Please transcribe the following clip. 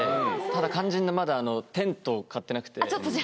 ただ肝心なまだテントを買ってなくて。